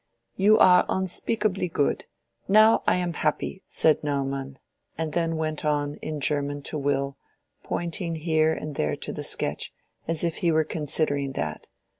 "You are unspeakably good—now I am happy!" said Naumann, and then went on in German to Will, pointing here and there to the sketch as if he were considering that.